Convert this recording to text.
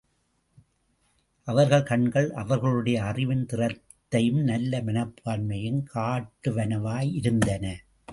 அவர்கள் கண்கள், அவர்களுடைய அறிவின் திறத்தையும் நல்ல மனப்பான்மையையும் காட்டுவனவாயிருந்தன.